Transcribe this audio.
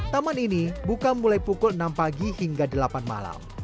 taman ini buka mulai pukul enam pagi hingga delapan malam